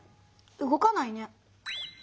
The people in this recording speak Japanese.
動かないね。